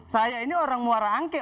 saya ini orang muara angke